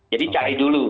jadi cari dulu